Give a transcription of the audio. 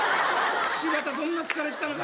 柴田そんな疲れてたのか。